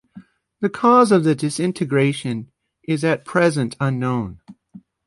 The cause of the disintegration is at present unknown.